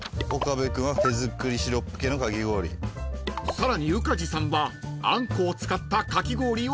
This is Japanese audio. ［さらに宇梶さんはあんこを使ったかき氷をリクエスト］